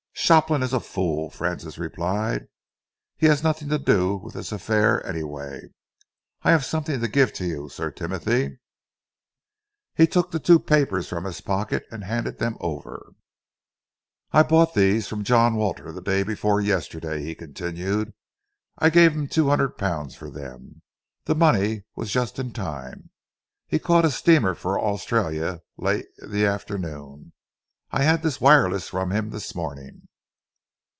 "Shopland is a fool," Francis replied. "He has nothing to do with this affair, anyway. I have something to give you, Sir Timothy." He took the two papers from his pocket and handed them over. "I bought these from John Walter the day before yesterday," he continued. "I gave him two hundred pounds for them. The money was just in time. He caught a steamer for Australia late in the afternoon. I had this wireless from him this morning."